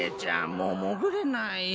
もうもぐれない。